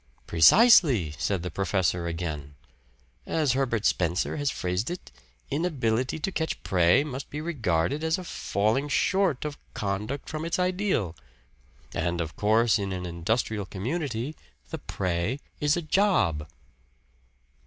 "Precisely," said the professor again. "As Herbert Spencer has phrased it, 'Inability to catch prey must be regarded as a falling short of conduct from its ideal.' And, of course, in an industrial community, the 'prey' is a job."